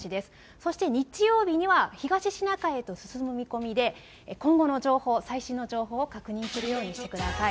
そして、日曜日には東シナ海へと進む見込みで、今後の情報、最新の情報を確認するようにしてください。